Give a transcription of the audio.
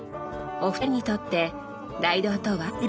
お二人にとって台所とは？